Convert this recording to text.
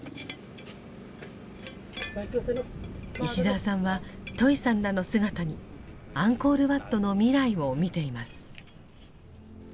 石澤さんはトイさんらの姿にアンコール・ワットの未来を見ています。